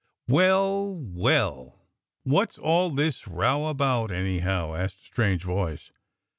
"Well, well what's all this row about, anyhow?" asked a strange voice.